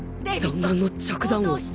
弾丸の着弾音！？